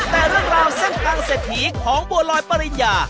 แต่เรื่องราวเส้นทางเศรษฐีของบัวลอยปริญญา